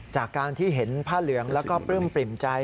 จากการที่เห็นผ้าเหลืองแล้วก็ปลื้มปริ่มใจ